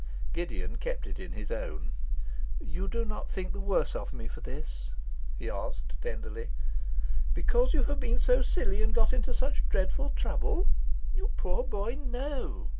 Gideon kept it in his own. 'You do not think the worse of me for this?' he asked tenderly. 'Because you have been so silly and got into such dreadful trouble? you poor boy, no!